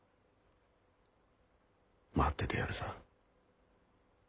待っててやるさ。